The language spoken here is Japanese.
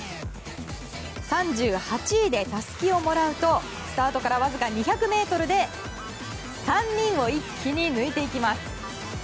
３８位でたすきをもらうとスタートからわずか２００ｍで３人を一気に抜いていきます。